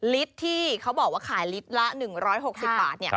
ลิตรที่เขาบอกว่าขายลิตรละ๑๖๐บาท